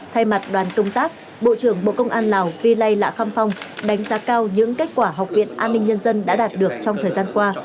thay mặt đoàn công tác bộ trưởng bộ công an lào vi lây lạ kham phong đánh giá cao những kết quả học viện an ninh nhân dân đã đạt được trong thời gian qua